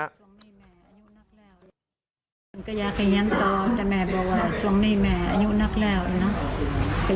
แต่ถ้าสำหรับปริศนีฯได้นอกต่อเกลียดออกงาน